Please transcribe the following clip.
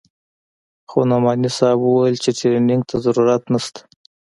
خو نعماني صاحب وويل چې ټرېننگ ته ضرورت نسته.